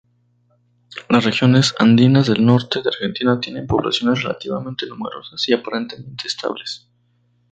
Las regiones andinas del norte de Argentina tienen poblaciones relativamente numerosas y aparentemente estables.